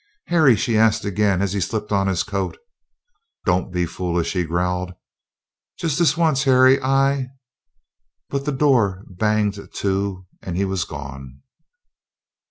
"Harry," she asked again as he slipped on his coat. "Don't be foolish," he growled. "Just this once Harry I " But the door banged to, and he was gone.